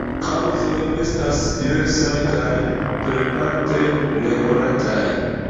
Kaŭzoj estas diversaj kaj plejparte nekonataj.